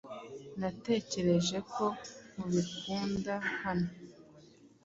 Natekereje ko ubikunda hano.